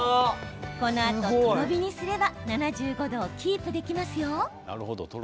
このあと、とろ火にすれば７５度をキープできますよ。